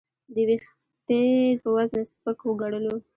د وېښتې په وزن سپک وګڼلو.